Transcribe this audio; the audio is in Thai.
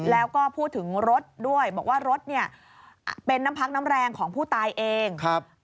แล้วก็พูดถึงรถด้วยบอกว่ารถเนี่ยเป็นน้ำพักน้ำแรงของผู้ตายเองครับ